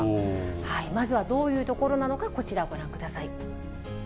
まずはどういう所なのか、こちらをご覧ください。